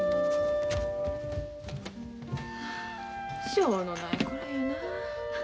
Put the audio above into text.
しょうのない子らやなあ。